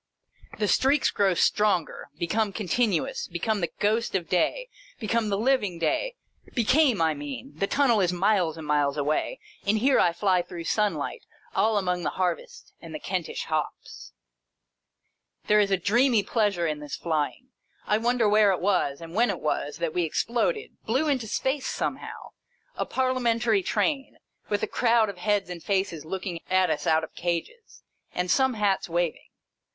The streaks grow stronger — become continu ous— become the ghost of day — become the living day — became I mean — the tunnel is miles and miles away, and here I fly through sunlight, all among the harvest and the Kentish hops. There is a dreamy pleasure in this flying. I wonder where it was, and when it was, that we exploded, blew into space somehow, a Parliamentary Train, with a crowd of heads and faces looking at us out of cages, and some hats waving.